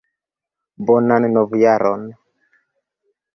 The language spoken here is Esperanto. Bonan Novjaron!